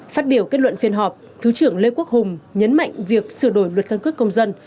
phát biểu kết luận phiên họp thứ trưởng lê quốc hùng nhấn mạnh việc sửa đổi luật căn cước công dân